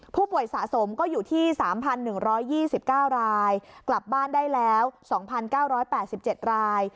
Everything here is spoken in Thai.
ผู้ป่วยสะสมก็อยู่ที่๓๑๒๙รายกลับบ้านได้แล้ว๒๙๘๗ราย